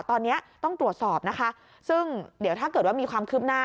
ตอนนี้ต้องตรวจสอบนะคะซึ่งเดี๋ยวถ้าเกิดว่ามีความคืบหน้า